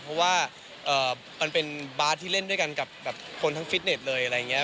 เพราะว่ามันเป็นบาร์ดที่เล่นด้วยกันกับคนทั้งฟิตเน็ตเลยอะไรอย่างนี้